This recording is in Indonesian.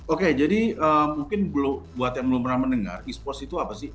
oke jadi mungkin buat yang belum pernah mendengar esports itu apa sih